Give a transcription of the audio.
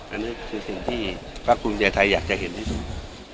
อันนี้คือสิ่งที่ภาคภูมิใจไทยอยากจะเห็นที่สุด